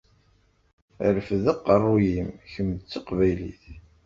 Rfed aqeṛṛu-yim kemm d taqbaylit!